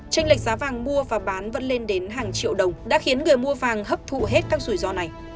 tranh lệch giá vàng mua và bán vẫn lên đến hàng triệu đồng đã khiến người mua vàng hấp thụ hết các rủi ro này